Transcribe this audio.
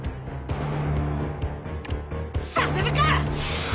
させるか！